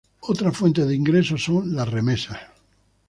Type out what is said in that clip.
Otra fuente de ingresos son las remesas.